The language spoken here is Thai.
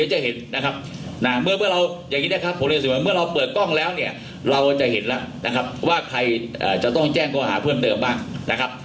ว่าเหมือนเราเปิดกล้องแล้วเนี่ยเราจะเห็นละนะครับว่าใครเอ่อจะต้องแจ้งการหาเพื่อนเติมบ้างนะครับ